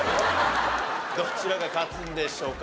どちらが勝つんでしょうか。